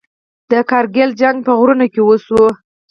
د کارګیل جنګ په غرونو کې وشو.